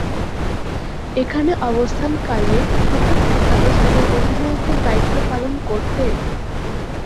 এখানে অবস্থানকালে প্রথম একাদশ দলের অধিনায়কের দায়িত্ব পালন করতেন।